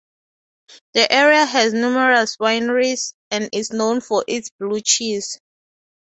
The area has numerous wineries, and is known for its blue cheese.